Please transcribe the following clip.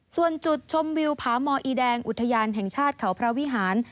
ส่วนจุดชมวิวผาหมออีแดงอุทยานแห่งชาติเขาพระวิหาร